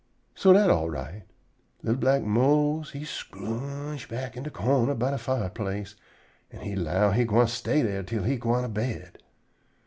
So dat all right. Li'l black Mose he scrooge back in de corner by de fireplace, an' he 'low he gwine stay dere till he gwine to bed.